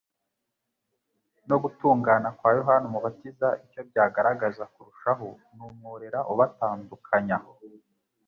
no gutungana kwa Yohana umubatiza icyo byagaragaza kurushaho ni umworera ubatandukanya.